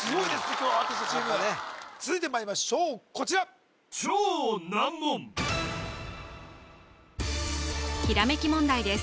今日アーティストチーム続いてまいりましょうこちらひらめき問題です